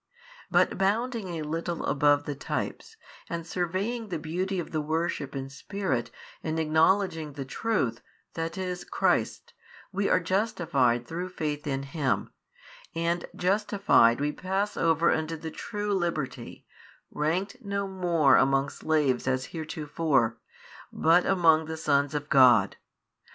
But bounding a little above the types, and surveying the beauty of the worship in Spirit and acknowledging the Truth, that is Christ, we are justified through faith in Him, and justified we pass over unto the true liberty, ranked no more among slaves as heretofore, but among the sons of God.